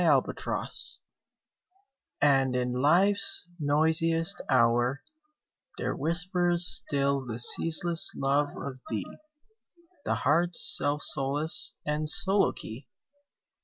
25 And in Life's noisiest hour There whispers still the ceaseless love of thee, The heart's self solace } and soliloquy.